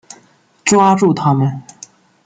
抓住他们！